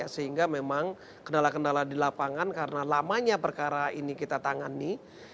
sehingga memang kendala kendala di lapangan karena lamanya perkara ini kita tangani